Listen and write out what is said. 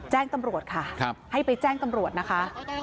แจ้งตำรวจค่ะให้ไปแจ้งตำรวจนะคะ